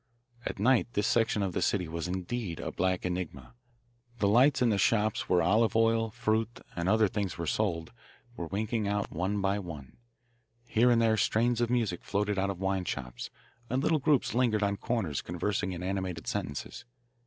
At night this section of the city was indeed a black enigma. The lights in the shops where olive oil, fruit, and other things were sold, were winking out one by one; here and there strains of music floated out of wine shops, and little groups lingered on corners conversing in animated sentences.